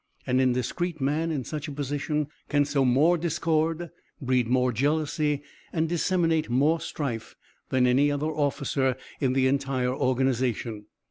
An indiscrete man in such a position can sow more discord, breed more jealousy, and disseminate more strife than any other officer in the entire organization.